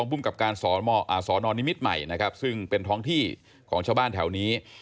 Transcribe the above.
หมามันไม่น่าจะหักต้นกล้วยได้แบบนี้